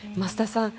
増田さん